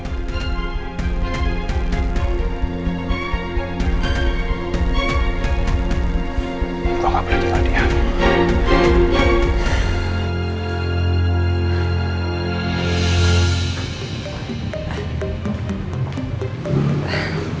gue nggak beli itu tadi ya